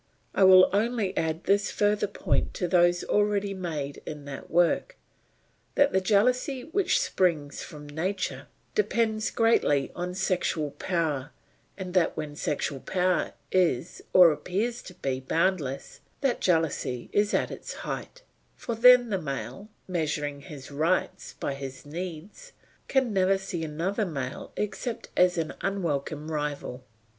I will only add this further point to those already made in that work, that the jealousy which springs from nature depends greatly on sexual power, and that when sexual power is or appears to be boundless, that jealousy is at its height; for then the male, measuring his rights by his needs, can never see another male except as an unwelcome rival.